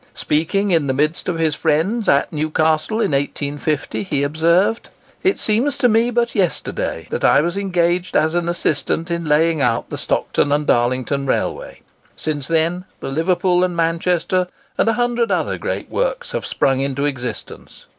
Speaking in the midst of his friends at Newcastle, in 1850, he observed:— "It seems to me but as yesterday that I was engaged as an assistant in laying out the Stockton and Darlington Railway. Since then, the Liverpool and Manchester and a hundred other great works have sprung into existence.